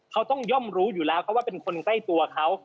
เขาต้องย่อมรู้อยู่แล้วเขาว่าเป็นคนใกล้ตัวเขา